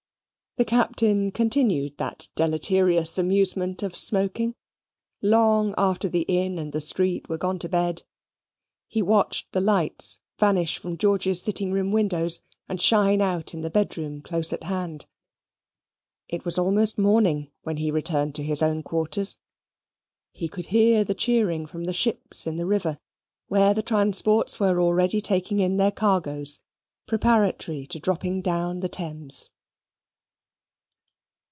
The Captain continued that deleterious amusement of smoking, long after the inn and the street were gone to bed. He watched the lights vanish from George's sitting room windows, and shine out in the bedroom close at hand. It was almost morning when he returned to his own quarters. He could hear the cheering from the ships in the river, where the transports were already taking in their cargoes preparatory to dropping down the Thames.